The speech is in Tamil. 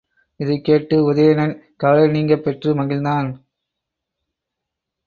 இதைக் கேட்டு உதயணன் கவலை நீங்கப் பெற்று மகிழ்ந்தான்.